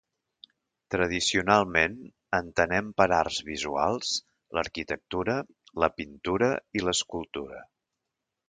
Tradicionalment, entenem per arts visuals l'arquitectura, la pintura i l'escultura.